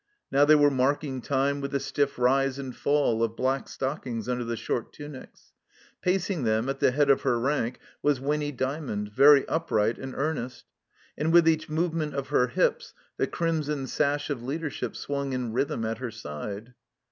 Now they were marking time with the stiS rise and fall of black stockings under the short txmics. Facing them, at the head of her rank, was Winny Dymond, very upright and earnest. And with each move ment of her hips the crimson sash of leadership swung in rhjrthm at her side.